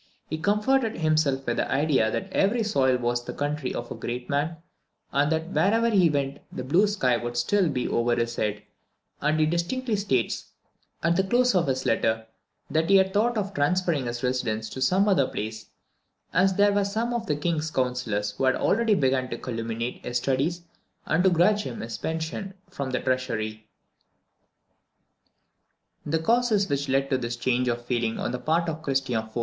He comforted himself with the idea that every soil was the country of a great man, and that wherever he went the blue sky would still be over his head; and he distinctly states at the close of his letter, that he had thought of transferring his residence to some other place, as there were some of the King's councillors who had already begun to calumniate his studies, and to grudge him his pension from the treasury. Omne solum forti patria, et coelum undique supra est. The causes which led to this change of feeling on the part of Christian IV.'